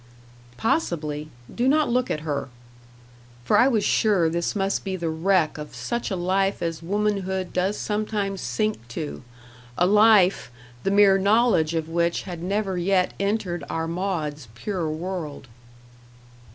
"Possibly. Do not look at her." For I was sure this must be the wreck of such a life as womanhood does sometimes sink to a life, the mere knowledge of which had never yet entered our Maud's pure world.